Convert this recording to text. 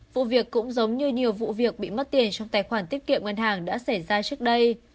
vụ việc cũng giống như nhiều vụ việc bị mất tiền trong tài khoản tiết kiệm ngân hàng đã xảy ra trước đây